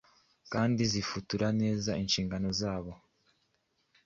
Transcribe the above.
Kandi zifutura neza inshingano zabo.